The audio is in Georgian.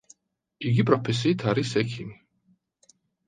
იგი პროფესიით არის ექიმი.